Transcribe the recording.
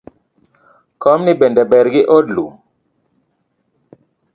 Komni bende ber gi od lum?